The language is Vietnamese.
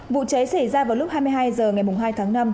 vụ cháy xảy ra vào lúc hai mươi hai h ngày hai tháng năm